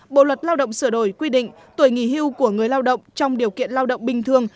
bộ luật lao động sửa đổi quy định tuổi nghỉ hưu của người lao động trong điều kiện lao động bình thường